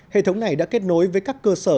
hệ thống này đã kết nối với các cơ sở